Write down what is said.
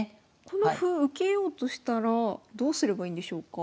この歩を受けようとしたらどうすればいいんでしょうか？